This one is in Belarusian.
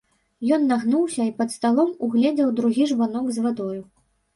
Ён нагнуўся і пад сталом угледзеў другі жбанок з вадою.